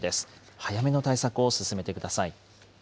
早めの対策を進めてください。